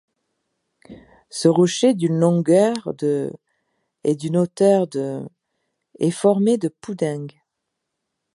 Ce rocher d'une longueur de et d'une hauteur de est formé de poudingues.